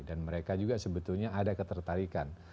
dan mereka juga sebetulnya ada ketertarikan